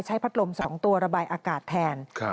พัดลม๒ตัวระบายอากาศแทน